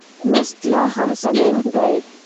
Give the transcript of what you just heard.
نسج لا هم سالم دی.